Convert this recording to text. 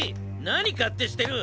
なにかってしてる！